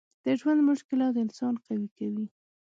د ژوند مشکلات انسان قوي کوي.